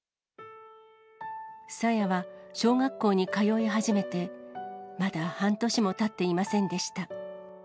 さやは、小学校に通い始めて、まだ半年もたっていませんでした。